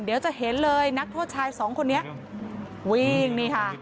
เดี๋ยวจะเห็นเลยนักโทษชายสองคนนี้วิ่งนี่ค่ะ